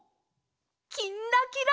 「きんらきら」。